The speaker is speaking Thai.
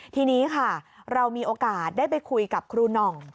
ทีนี้ค่ะเรามีโอกาสได้ไปคุยกับครูหน่อง